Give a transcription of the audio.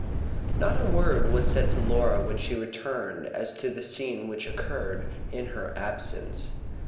Not a word was said to Laura when she returned as to the scene which had occurred in her absence.